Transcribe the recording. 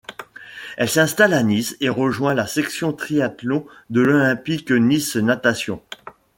Elle s'installe à Nice et rejoint la section triathlon de l'Olympic Nice Natation.